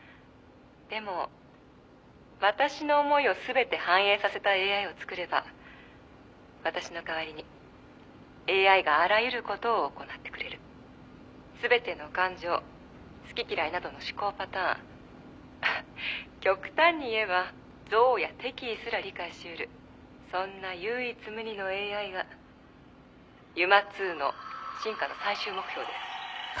「でも私の思いを全て反映させたＡＩを作れば私の代わりにＡＩがあらゆる事を行ってくれる」「全ての感情好き嫌いなどの思考パターン」「あっ極端に言えば憎悪や敵意すら理解しうるそんな唯一無二のＡＩがＵＭＡ−Ⅱの進化の最終目標です」